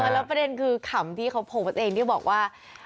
แล้วประเด็นคือขำที่เขาโพสต์เองที่บอกว่า